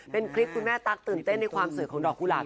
เป็นคลิปคุณแม่ตั๊กตื่นเต้นในความสวยของดอกกุหลาบ